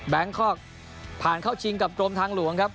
คอกผ่านเข้าชิงกับกรมทางหลวงครับ